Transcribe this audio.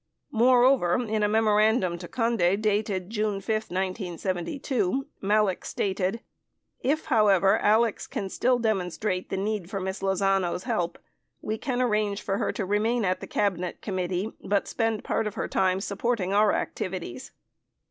25 Moreover, in a memorandum to Conde dated June 5, 1972, Malek stated : If, however, Alex can still demonstrate the need for Miss Lozano's help, we can arrange for her to remain at the Cabinet Committee but spend part of her time supporting our ac tivities.